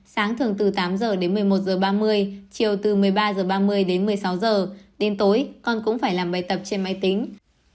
sáng thường từ tám h đến một mươi một h ba mươi chiều từ một mươi ba h ba mươi đến một mươi sáu h đến tối con cũng phải làm bài tập trên máy tính